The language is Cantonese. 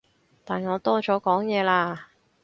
但我多咗講嘢啦